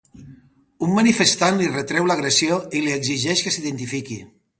Un manifestant li retreu l’agressió i li exigeix que s’identifiqui.